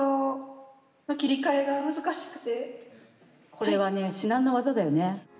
これはね至難の業だよね。